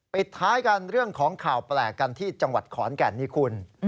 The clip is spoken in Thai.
ปิดท้ายกันเรื่องของข่าวแปลกกันที่จังหวัดขอนแก่นนี่คุณ